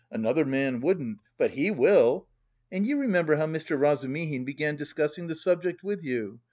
Another man wouldn't, but he will. And you remember how Mr. Razumihin began discussing the subject with you?